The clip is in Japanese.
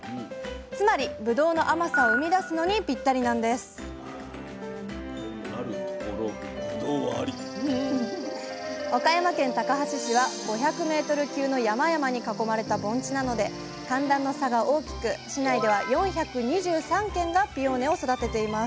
つまりぶどうの甘さを生み出すのにピッタリなんです岡山県高梁市は５００ｍ級の山々に囲まれた盆地なので寒暖の差が大きく市内では４２３軒がピオーネを育てています